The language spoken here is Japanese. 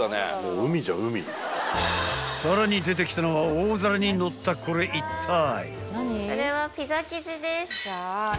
［さらに出てきたのは大皿にのったこれいったい？］